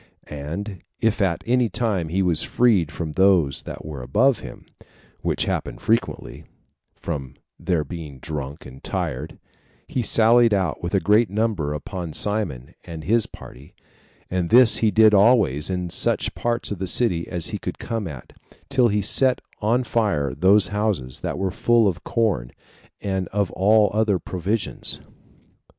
And if at any time he was freed from those that were above him, which happened frequently, from their being drunk and tired, he sallied out with a great number upon Simon and his party; and this he did always in such parts of the city as he could come at, till he set on fire those houses that were full of corn, and of all other provisions.